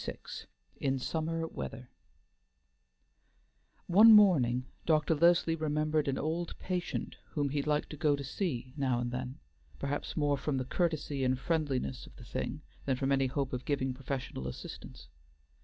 VI IN SUMMER WEATHER One morning Dr. Leslie remembered an old patient whom he liked to go to see now and then, perhaps more from the courtesy and friendliness of the thing than from any hope of giving professional assistance.